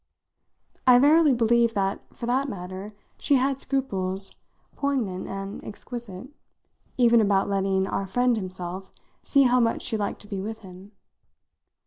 I verily believe that, for that matter, she had scruples, poignant and exquisite, even about letting our friend himself see how much she liked to be with him.